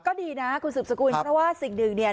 ก็ดีนะคุณสืบสกุลเพราะว่าสิ่งหนึ่งเนี่ย